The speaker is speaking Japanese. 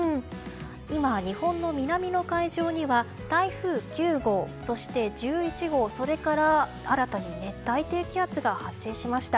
今、日本の南の海上には台風９号、そして１１号それから新たに熱帯低気圧が発生しました。